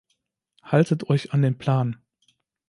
Haltet euch an den Plan!